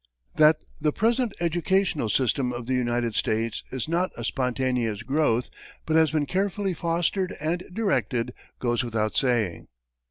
That the present educational system of the United States is not a spontaneous growth, but has been carefully fostered and directed, goes without saying.